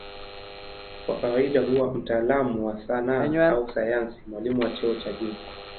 Kwa kawaida huwa mtaalamu wa sanaa au sayansi, mwalimu wa cheo cha juu.